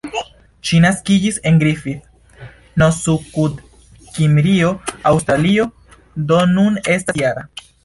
Ŝi naskiĝis en Griffith, Novsudkimrio, Aŭstralio, do nun estas -jara.